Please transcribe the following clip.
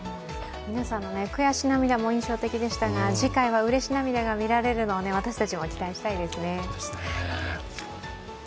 皆さんの悔し涙も印象的でしたが、次回はうれし涙が見られるのを私たちも期待したいですね。